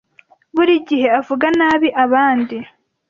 Buri gihe avuga nabi abandi.